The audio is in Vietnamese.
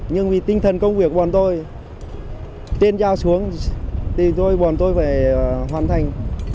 nhưng vì tinh thần công việc của bọn tôi tên trao xuống thì bọn tôi phải hoàn thành